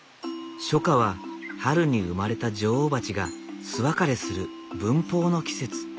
初夏は春に生まれた女王蜂が巣別れする分蜂の季節。